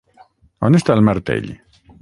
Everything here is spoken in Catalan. On està el martell?